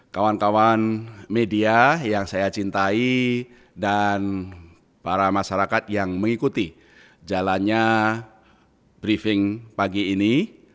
kawan kawan media yang saya cintai dan para masyarakat yang mengikuti jalannya briefing pagi ini